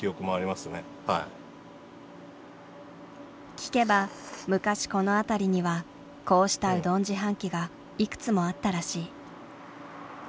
聞けば昔この辺りにはこうしたうどん自販機がいくつもあったらしい。